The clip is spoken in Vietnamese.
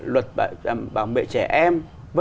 luật bảo vệ trẻ em